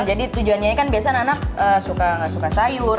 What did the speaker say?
jadi tujuannya kan biasanya anak suka gak suka sayur